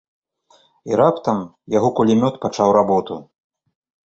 І раптам яго кулямёт пачаў работу.